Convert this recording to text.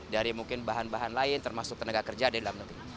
dari mungkin bahan bahan lain termasuk tenaga kerja dari dalam negeri